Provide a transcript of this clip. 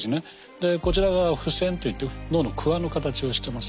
でこちらが「布銭」といって農具のクワの形をしてます。